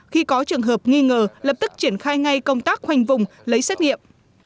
khi có trường hợp nghi ngờ lập tức triển khai ngay công tác khoanh vùng lấy xét nghiệm